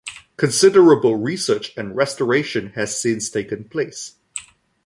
Considerable research and restoration has since taken place.